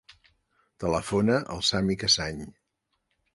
Telefona al Sami Casañ.